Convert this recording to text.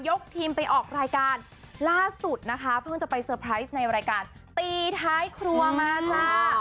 ทีมไปออกรายการล่าสุดนะคะเพิ่งจะไปเซอร์ไพรส์ในรายการตีท้ายครัวมาจ้า